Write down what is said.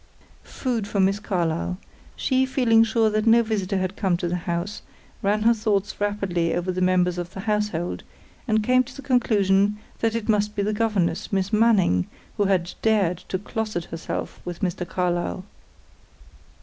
Food for Miss Carlyle. She, feeling sure that no visitor had come to the house, ran her thoughts rapidly over the members of the household, and came to the conclusion that it must be the governess, Miss Manning, who had dared to closet herself with Mr. Carlyle.